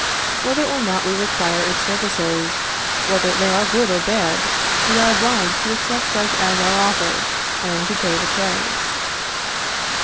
Whether or not we require its services, whether they are good or bad, we are obliged to accept such as are offered and to pay the price.